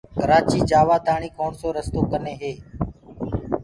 ڪرآچي جآوآ تآڻي ڪوڻسو رستو ڪني هي۔